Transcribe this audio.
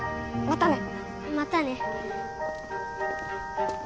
またね。